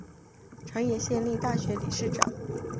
长野县立大学理事长。